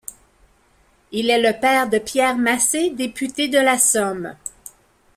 Il est le père de Pierre Massey, député de la Somme.